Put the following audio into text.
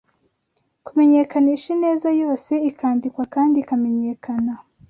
Kumenyekanisha ineza yose ikandikwa kandi ikamenyekana;